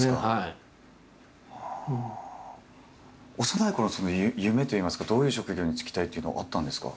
幼いころの夢といいますかどういう職業に就きたいというのはあったんですか？